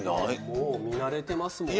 もう見慣れてますもんね